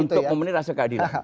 untuk komunitas yang keadilan